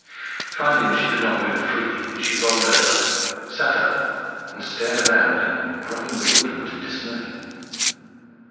Finding she could not move freely, she rolled over, sat up and stared around in growing bewilderment and dismay.